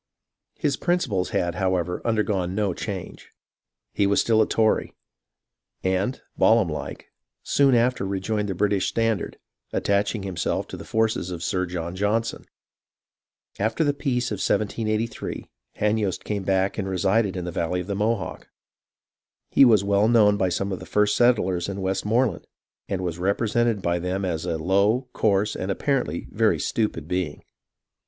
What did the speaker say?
His principles had, however, undergone no change ; he was still a Tory, and, Balaam like, soon after rejoined the British standard, attaching himself to the forces of Sir John Johnson. After the peace of 1783, Hanyost came back and resided in the valley of the Mohawk. He was well known by some of the first settlers in Westmoreland, and was repre sented by them as a low, coarse, and apparently a very stupid being."